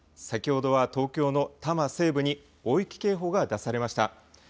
先ほどは東京の多摩西部に大雪警報が出されました。